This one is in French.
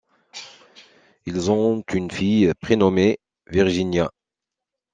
Ils ont une fille prénommée Virginia.